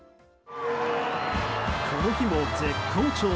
この日も絶好調！